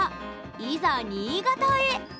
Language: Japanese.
いざ新潟へ！